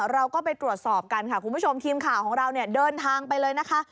เราก็ไปตรวจสอบกันค่ะคุณผู้ชมทีมข่าวของเราเนี่ยเดินทางไปเลยนะคะ